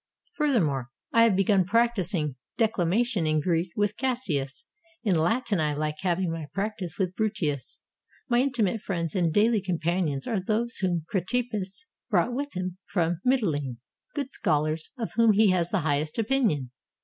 Furthermore, I have begun prac ticing declamation in Greek with Cassius ; in Latin I like having my practice with Bruttius. My intimate friends and daily companions are those whom Cratippus brought 403 ROME with him from Mitylene — good scholars, of whom he has the highest opinion.